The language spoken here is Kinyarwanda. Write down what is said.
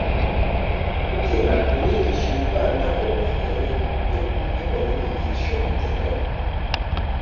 Kugena inyigisho yibandaho ahereye ku byo integanyanyigisho iteganya;